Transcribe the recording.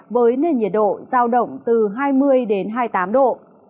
với nền nhiệt độ giao động từ hai mươi đến hai mươi tám độ